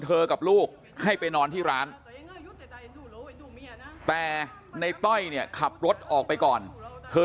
กับลูกให้ไปนอนที่ร้านแต่ในต้อยเนี่ยขับรถออกไปก่อนเธอ